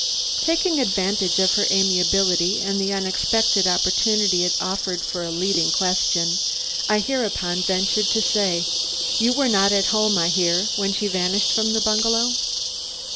Taking advantage of her amiability and the unexpected opportunity it offered for a leading question, I hereupon ventured to say: "You were not at home, I hear, when she vanished from the bungalow."